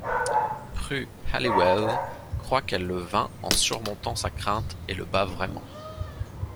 Prue Halliwell croit qu'elle le vainc en surmontant sa crainte et le bat vraiment.